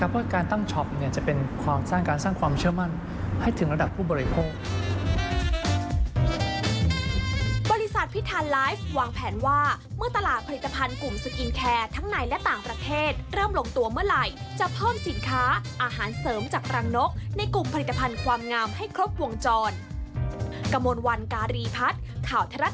เพราะการตั้งช็อปจะเป็นความสร้างการสร้างความเชื่อมั่นให้ถึงระดับผู้บริโภค